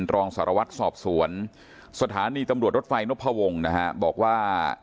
รองสารวัตรสอบสวนสถานีตำรวจรถไฟนพวงนะฮะบอกว่า